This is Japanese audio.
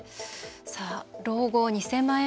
老後２０００万円